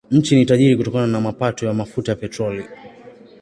Nchi ni tajiri kutokana na mapato ya mafuta ya petroli.